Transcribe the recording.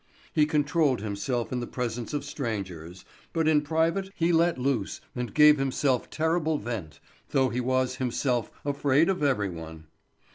He controlled himself in the presence of strangers, but in private he let loose and gave himself terrible vent, though he was himself afraid of every one.